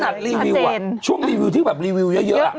ขนาดรีวิวอะช่วงรีวิวที่รีวิวเยอะ